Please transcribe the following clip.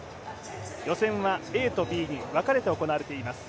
予選はＡとＢに別れて行われています。